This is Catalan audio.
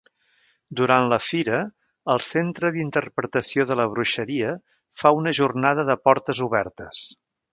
Durant la fira el Centre d’Interpretació de la Bruixeria fa una jornada de portes obertes.